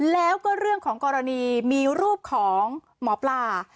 แล้วก็เรื่องของกรณีมีรูปของหมอปลา